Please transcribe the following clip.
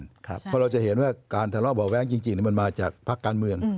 เพราะเราจะเห็นว่าการทะเลาะเบาะแว้งจริงมันมาจากพักการเมือง